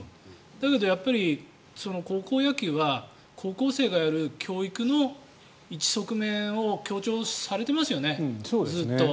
だけど、やっぱり高校野球は高校生がやる教育の一側面を強調されてますよね、ずっと。